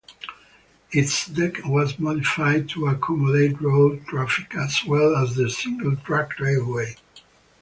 Its deck was modified to accommodate road traffic as well as the single-track railway.